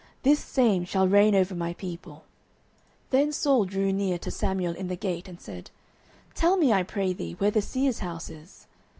this same shall reign over my people. 09:009:018 Then Saul drew near to Samuel in the gate, and said, Tell me, I pray thee, where the seer's house is.